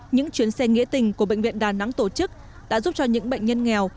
những chuyến xe nghĩa tình của bệnh viện đà nẵng tổ chức đã giúp cho những bệnh nhân nghèo